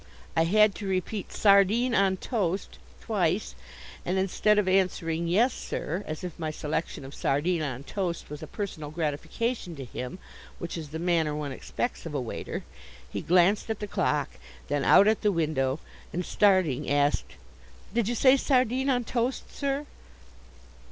I had to repeat "Sardine on toast" twice, and instead of answering "Yes, sir," as if my selection of sardine on toast was a personal gratification to him, which is the manner one expects of a waiter, he glanced at the clock, then out at the window, and, starting, asked, "Did you say sardine on toast, sir?"